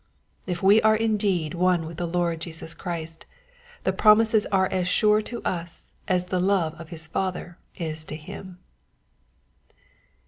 If we are indeed one with the Lord Jesus Christ, the promises are as sure to us as the love of his Father is to him.